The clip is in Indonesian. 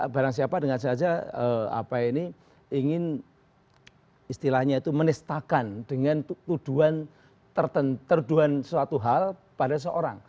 barang siapa dengan saja ingin istilahnya itu menistakan dengan tuduhan suatu hal pada seorang